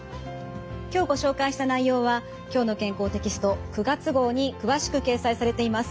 今日ご紹介した内容は「きょうの健康」テキスト９月号に詳しく掲載されています。